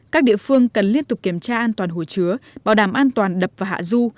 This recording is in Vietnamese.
các địa phương cần liên tục kiểm tra an toàn hồi chứa bảo đảm an toàn đập và hạ du